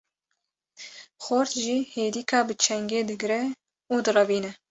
Xort jî hêdika bi çengê digre û direvîne.